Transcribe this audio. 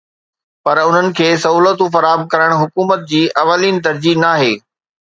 پر انهن کي سهولتون فراهم ڪرڻ حڪومت جي اولين ترجيح ناهي